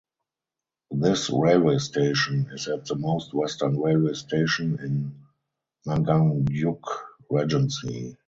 This railway station is at the most western railway station in Nganjuk Regency.